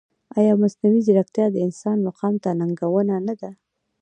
ایا مصنوعي ځیرکتیا د انسان مقام ته ننګونه نه ده؟